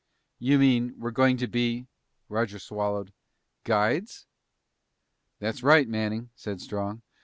"You mean we're going to be" Roger swallowed "guides?" "That's right, Manning," said Strong.